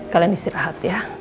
kalian istirahat ya